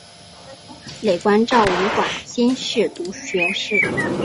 累官昭文馆兼侍读学士。